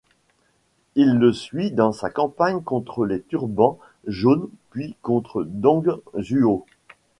Il le suit dans sa campagne contre les Turbans jaunes puis contre Dong Zhuo.